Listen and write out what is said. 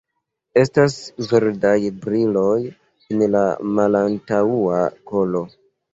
Estas verdaj briloj en la malantaŭa kolo.